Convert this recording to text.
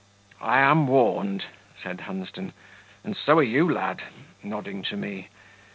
"I am warned," said Hunsden; "and so are you, lad," (nodding to me).